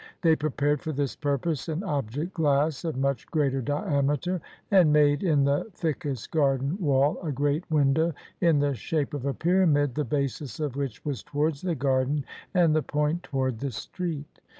They prepared for this purpose an object glass of much greater diameter, and made in the thickest garden wall a great window in the shape of a pyramid, the basis of which was towards the garden, and the point toward the street.